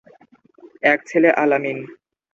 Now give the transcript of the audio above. এক ছেলে আল-আমিন।